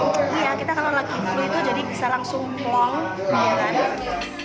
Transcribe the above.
iya kita kalau lagi flu itu jadi bisa langsung long ya kan